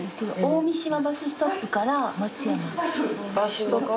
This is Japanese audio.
バスストップから松山。